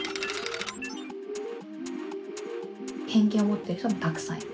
「偏見を持ってる人もたくさんいる。